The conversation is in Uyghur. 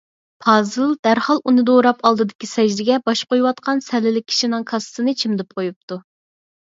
پازىل دەرھال ئۇنى دوراپ، ئالدىدىكى سەجدىگە باش قويۇۋاتقان سەللىلىك كىشىنىڭ كاسىسىنى چىمدىپ قويۇپتۇ.